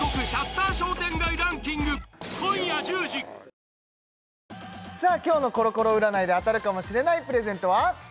香りに驚くアサヒの「颯」今日のコロコロ占いで当たるかもしれないプレゼントは？